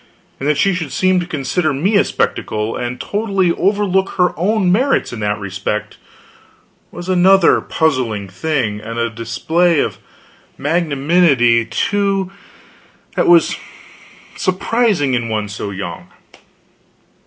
And that she should seem to consider me a spectacle, and totally overlook her own merits in that respect, was another puzzling thing, and a display of magnanimity, too, that was surprising in one so young.